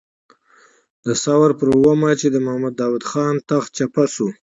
د ثور پر اوومه چې د محمد داود خان تخت چپه شو.